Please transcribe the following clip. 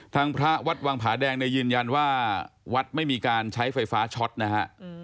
ทางพระวัดวังผาแดงเนี่ยยืนยันว่าวัดไม่มีการใช้ไฟฟ้าช็อตนะฮะ